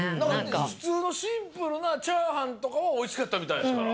ふつうのシンプルなチャーハンとかはおいしかったみたいですから。